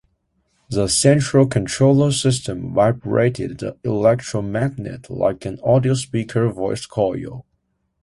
The central controller system vibrated the electromagnet like an audio-speaker voice coil.